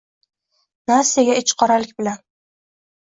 Nastyaga ichiqoralik bilan.